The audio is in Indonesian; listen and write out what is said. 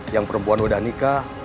yang perempuan udah nikah